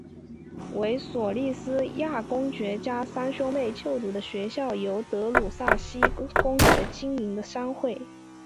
为索利斯提亚公爵家三兄妹就读的学校由德鲁萨西斯公爵经营的商会。